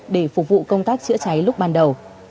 để phục vụ công tác chữa cháy lúc ban đầu